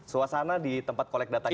suasana di tempat collect data kita